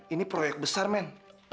ini proyek besar men